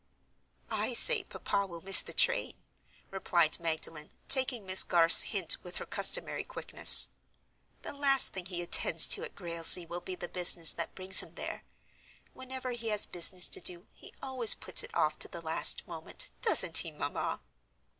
"I say, papa will miss the train," replied Magdalen, taking Miss Garth's hint with her customary quickness. "The last thing he attends to at Grailsea will be the business that brings him there. Whenever he has business to do, he always puts it off to the last moment, doesn't he, mamma?"